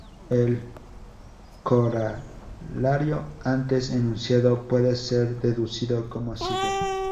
El corolario antes enunciado puede ser deducido como sigue.